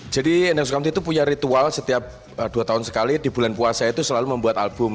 jadi endang sukamti itu punya ritual setiap dua tahun sekali di bulan puasa itu selalu membuat album